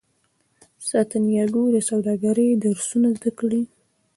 سانتیاګو د سوداګرۍ درسونه زده کوي.